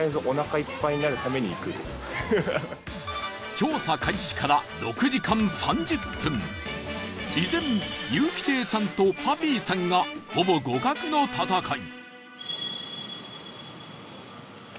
調査開始から６時間３０分依然、ゆうき亭さんとパピーさんが、ほぼ互角の戦い